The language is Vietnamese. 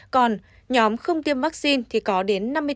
còn nhóm không tiêm vaccine thì có đến năm mươi bệnh nhân nặng